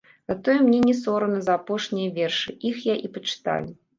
Затое мне не сорамна за апошнія вершы, іх я і пачытаю.